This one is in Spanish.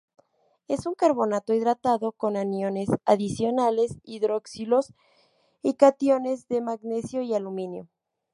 Es un carbonato hidratado con aniones adicionales hidroxilos y cationes de magnesio y aluminio.